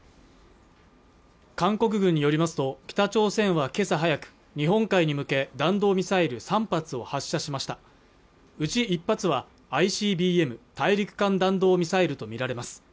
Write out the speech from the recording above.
韓国軍によりますと北朝鮮はけさ早く日本海に向け弾道ミサイル３発を発射しましたうち１発はＩＣＢＭ＝大陸間弾道ミサイルと見られます